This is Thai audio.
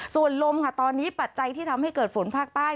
ส่วนลมค่ะตอนนี้ปัจจัยที่ทำให้เกิดฝนภาคใต้